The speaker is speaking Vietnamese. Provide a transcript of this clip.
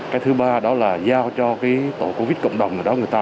cái thứ ba đó là giao cho cái tổ covid cộng đồng người ta